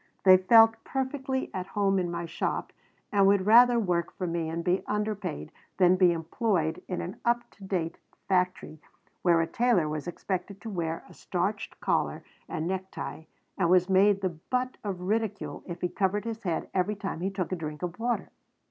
They felt perfectly at home in my shop, and would rather work for me and be underpaid than be employed in an up to date factory where a tailor was expected to wear a starched collar and necktie and was made the butt of ridicule if he covered his head every time he took a drink of water.